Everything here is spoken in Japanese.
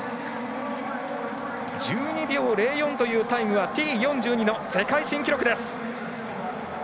１２秒０４というタイムはＴ４２の世界新記録です！